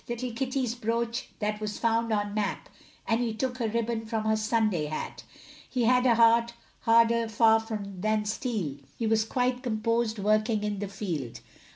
Little Kitty's brooch that was found on Mapp, And he took her ribbon from her Sunday hat; He had a heart harder far than steel, He was quite composed, working in the field.